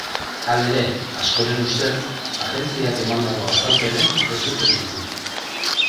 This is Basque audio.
Halere, askoren ustez, agentziak emandako azalpenek ez dute zentzurik.